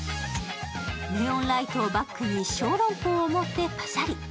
ネオンライトをバックにショーロンポーを持ってパシャリ。